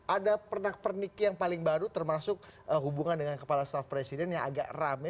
ada pernak pernik yang paling baru termasuk hubungan dengan kepala staf presiden yang agak rame